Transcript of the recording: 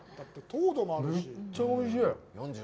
めっちゃおいしい。